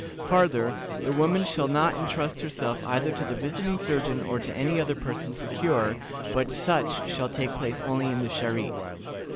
Farther, the woman shall not intrust herself either to the visiting surgeon or to any other person for cure, but such shall take place only in the Charité.